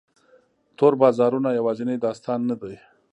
تور بازارونه یوازینی داستان نه دی.